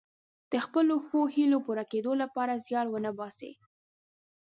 د خپلو ښو هیلو پوره کیدو لپاره زیار ونه باسي.